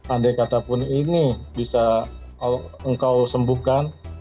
andai katapun ini bisa engkau sembuhkan